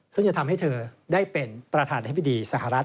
ซึ่งจะทำให้เธอได้เป็นประธานธิบดีสหรัฐ